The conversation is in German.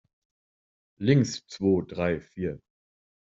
Links, zwo, drei, vier!